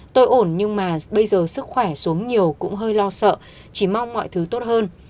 tôi ổn nhưng mà bây giờ sức khỏe xuống nhiều cũng hơi lo sợ chỉ mong mọi thứ tốt hơn